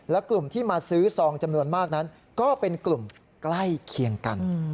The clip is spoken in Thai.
และกลุ่มที่มาซื้อซองจำนวนมากนั้นก็เป็นกลุ่มใกล้เคียงกัน